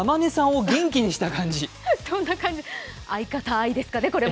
相方愛ですかね、これも。